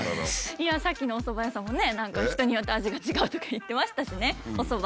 いやさっきのおそば屋さんもね何か人によって味が違うとか言ってましたしねおそば。